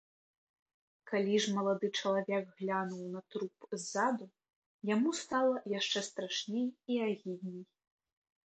Калі ж малады чалавек глянуў на труп ззаду, яму стала яшчэ страшней і агідней.